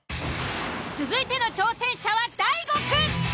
続いての挑戦者は大悟くん。